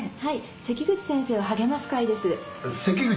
関口先生を励ます会です。